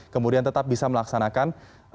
kemudian tetap bisa melaksanakan